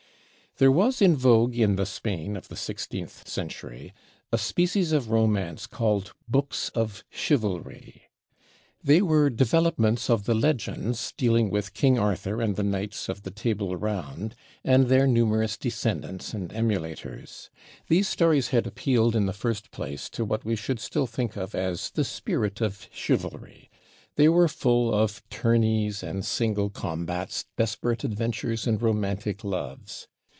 There was in vogue in the Spain of the sixteenth century a species of romance called books of chivalry. They were developments of the legends dealing with King Arthur and the Knights of the Table Round, and their numerous descendants and emulators. These stories had appealed in the first place to what we should still think of as the spirit of chivalry: they were full of tourneys and single combats, desperate adventures and romantic loves.